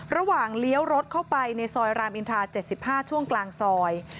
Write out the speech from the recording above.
เลี้ยวรถเข้าไปในซอยรามอินทรา๗๕ช่วงกลางซอย